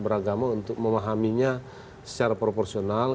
beragama untuk memahaminya secara proporsional